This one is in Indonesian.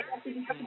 ini harus dikonsumsi